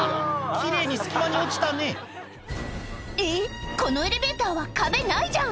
奇麗に隙間に落ちたねえっこのエレベーターは壁ないじゃん